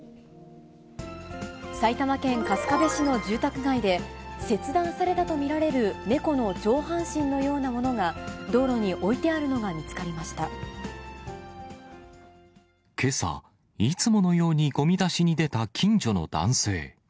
埼玉県春日部市の住宅街で、切断されたと見られる猫の上半身のようなものが、道路に置いてあけさ、いつものようにごみ出しに出た近所の男性。